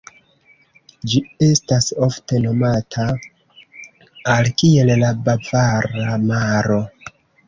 Ĝi estas ofte nomata al kiel la "Bavara Maro".